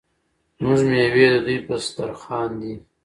زموږ میوې د دوی په دسترخان دي.